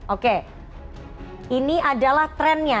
oke ini adalah trennya